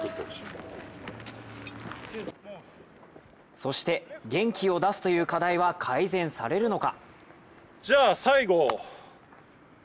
そして、元気を出すという課題は改善されるのか？